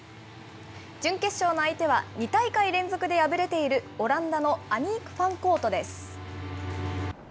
準決勝の相手は、２大会連続で敗れている、オランダのアニーク・ファンコートです。